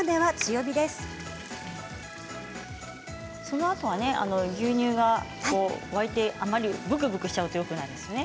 そのあとは牛乳が沸いてブクブクしてしまうとよくないですよね。